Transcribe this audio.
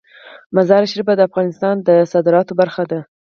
مزارشریف د افغانستان د صادراتو برخه ده.